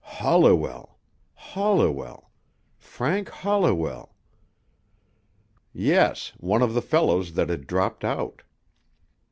"Holliwell. Holliwell. Frank Holliwell." Yes. One of the fellows that had dropped out.